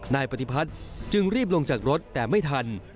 นายปฏิพัฒน์จึงรีบลงจากรถแต่ไม่ทัน